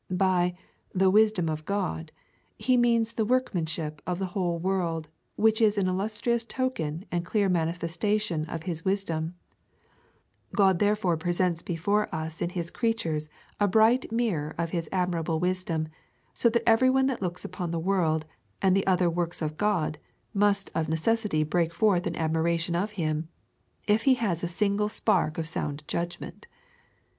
By the wisdom of God he means the workmanship of the whole world, which is an illustrious token and clear manifestation of his wisdom : God therefore presents before us in his creatures a bright mirror of his admirable wisdom, so that every one that looks upon the world, and the other works of God, must of neces sity break forth in admiration of him, if he has a single spark of sound judgment.